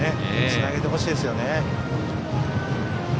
つなげてほしいですよね。